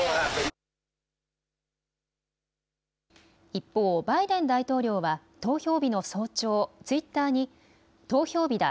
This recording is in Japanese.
一方、バイデン大統領は投票日の早朝、ツイッターに投票日だ。